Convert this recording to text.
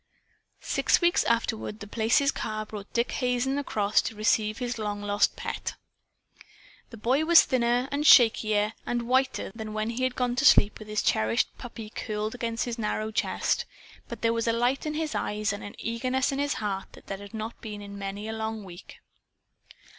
Six weeks afterward The Place's car brought Dick Hazen across to receive his long lost pet. The boy was thinner and shakier and whiter than when he had gone to sleep with his cherished puppy curled against his narrow chest. But there was a light in his eyes and an eagerness in his heart that had not been there in many a long week.